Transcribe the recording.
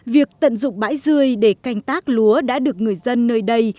việc tận dụng bãi dươi để canh tác lúa đã được người dân nơi đây